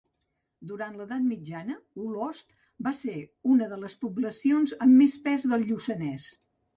Durant l’Edat Mitjana, Olost va ser una de les poblacions amb més pes del Lluçanès.